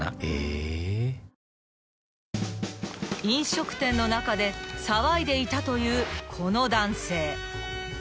［飲食店の中で騒いでいたというこの男性］